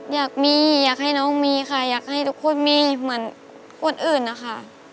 อยากมีอยากให้น้องมีค่ะอยากให้ทุกคนมีเหมือนคนอื่นนะคะ